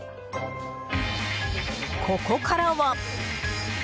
ここからは。